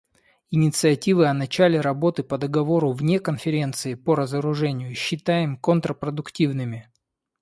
Инициативы о начале работы по договору вне Конференции по разоружению считаем контрпродуктивными.